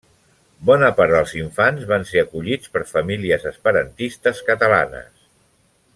Bona part dels infants van ser acollits per famílies esperantistes catalanes.